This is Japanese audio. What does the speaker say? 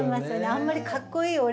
あんまり「かっこいい俺！」